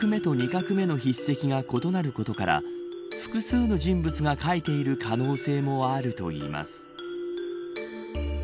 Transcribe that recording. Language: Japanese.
１画目と２画目の筆跡が異なることから複数の人物が書いている可能性もあるといいます。